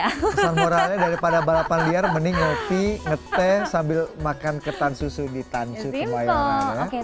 kesan moralnya daripada balapan liar mending ngete sambil makan ketan susu di tansu kemayoran ya